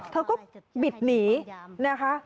เธอก็บิดหนีนะคะ